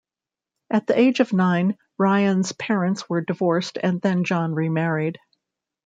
At the age of nine, Ryan's parents were divorced and then John remarried.